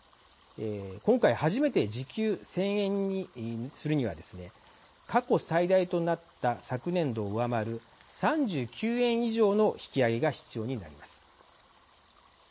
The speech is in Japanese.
今回、初めて時給１０００円にするにはですね過去最大となった昨年度を上回る３９円以上の引き上げが必要になります。